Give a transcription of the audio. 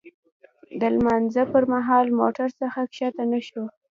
د لمانځه پر مهال موټر څخه ښکته نه شوو.